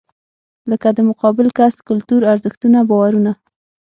لکه د مقابل کس کلتور، ارزښتونه، باورونه .